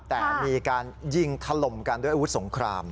แต่มีการยิงถล่มกันด้วยอาวุธสงคราม